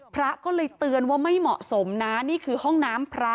พระก็เลยเตือนว่าไม่เหมาะสมนะนี่คือห้องน้ำพระ